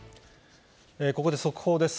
ここで速報です。